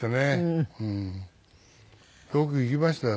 よく行きましたよ